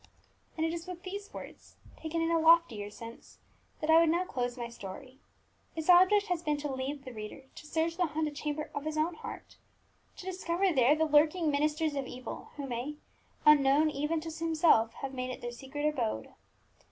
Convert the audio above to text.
And it is with these words, taken in a loftier sense, that I would now close my story. Its object has been to lead the reader to search the haunted chamber of his own heart, to discover there the lurking ministers of evil who may, unknown even to himself, have made it their secret abode.